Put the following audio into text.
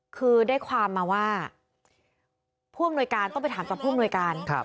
คือได้ความมาว่าผู้อำนวยการต้องไปถามต่อผู้อำนวยการ